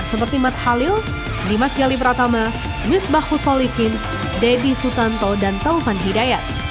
seperti matt halil dimas gali pratama wisbah husolikin dedy sutanto dan taufan hidayat